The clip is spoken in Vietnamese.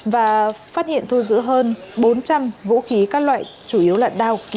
và phát hiện thu giữ hơn bốn trăm linh vũ khí các loại chủ yếu là đao kiếm gậy rút và súng bắn bi